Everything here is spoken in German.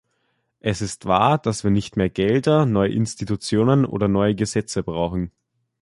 Es ist wahr, dass wir nicht mehr Gelder, neue Institutionen oder neue Gesetze brauchen.